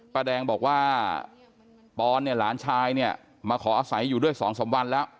ป้าแดงบอกว่าปอนเนี่ยหลานชายเนี่ยมาขออาศัยอยู่ด้วย๒๓วันแล้ว